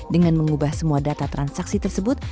dengan mengubah semua data transaksi tersebut